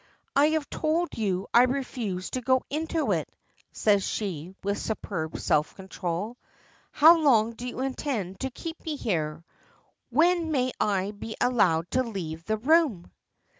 "I have told you I refuse to go into it," says she, with superb self control. "How long do you intend to keep me here? When may I be allowed to leave the room?"